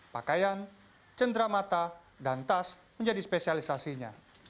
pakaian cendera mata dan tas menjadi spesialisasinya